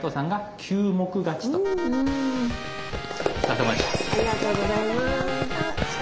ありがとうございます。